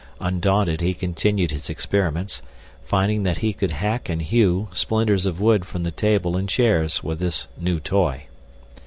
Undaunted he continued his experiments, finding that he could hack and hew splinters of wood from the table and chairs with this new toy.